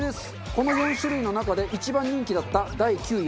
この４種類の中で一番人気だった第９位はどれでしょうか？